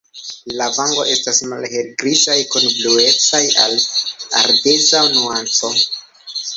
La vangoj estas malhelgrizaj kun blueca al ardeza nuanco.